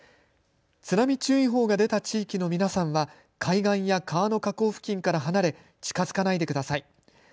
津波注意報が出た地域の皆さんは、海岸や川の河口付近から離れ、近づかないでください。